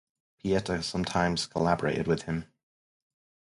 Pieter sometimes collaborated with him.